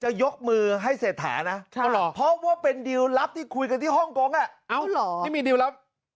จะยกมือให้เสร็จแถนะ